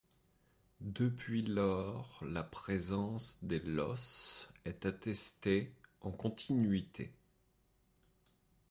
Depuis lors la présence des Losse est attestée en continuité.